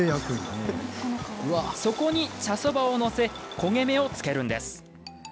そこに茶そばを載せ焦げ目をつけるんです。